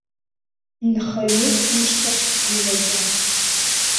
Нхаҩык ишьҭахь дгылаӡам.